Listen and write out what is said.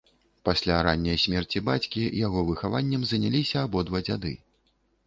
Пасля ранняй смерці бацькі яго выхаваннем заняліся абодва дзяды.